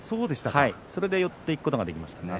それで寄っていくことができました。